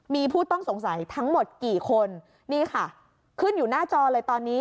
มีผู้ต้องสงสัยทั้งหมดกี่คนนี่ค่ะขึ้นอยู่หน้าจอเลยตอนนี้